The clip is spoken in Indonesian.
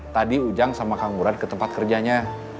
tadi ujang sama kang buran ke tempat kerjanya